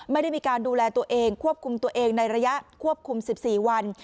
ไม่ได้มีการดูแลตัวเองควบคุมตัวเองในระยะควบคุม๑๔วัน